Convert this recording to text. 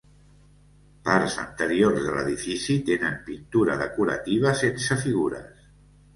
Parts anteriors de l'edifici tenen pintura decorativa sense figures.